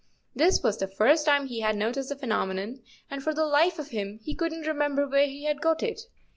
This was the first time he had noticed the phenomenon, and for the life of him he couldn't remember where he had got it.